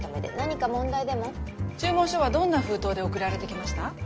注文書はどんな封筒で送られてきました？